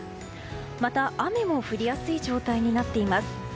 また、雨も降りやすい状態になっています。